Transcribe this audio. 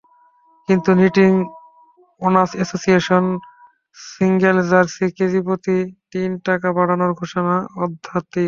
কিন্তু knitting owners association single jersey কেজিপ্রতি তিন টাকা বাড়ানোর ঘোষণা অত্যধিক।